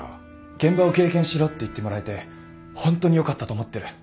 現場を経験しろって言ってもらえてホントによかったと思ってる